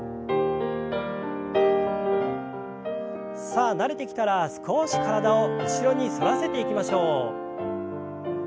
さあ慣れてきたら少し体を後ろに反らせていきましょう。